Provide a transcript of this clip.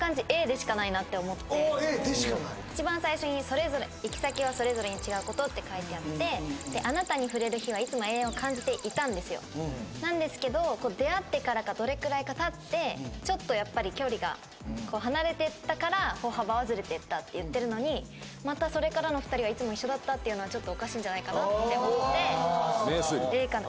Ａでしかないなって思って一番最初に「行き先はそれぞれに違う事」って書いてあって「あなたに触れる日はいつも永遠を感じていた」んですよなんですけど出会ってからかどれくらいかたってちょっとやっぱり距離が離れてったから「歩幅はずれていった」って言ってるのにまた「それからの二人はいつも一緒だった」っていうのはちょっとおかしいんじゃないかなって思って名推理あ